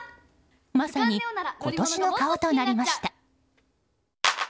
まさに今年の顔となりました。